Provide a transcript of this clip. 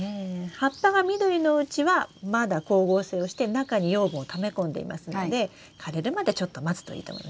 葉っぱが緑のうちはまだ光合成をして中に養分をため込んでいますので枯れるまでちょっと待つといいと思いますよ。